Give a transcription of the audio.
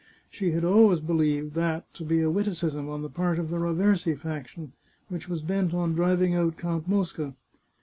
She had always believed that to be a witticism on the part of the Raversi faction, which was bent on driving out Count Mosca.